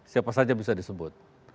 siapa saja bisa disebut